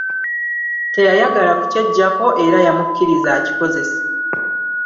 Teyayagala kukyeggyako era yamukkiriza akikozese.